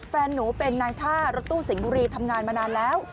แฟนหนูเป็นนายท่ารถตู้สิงห์บุรีทำงานมานานแล้ว